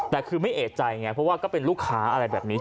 แต่คือไม่เอกใจไงเพราะว่าก็เป็นลูกค้าอะไรแบบนี้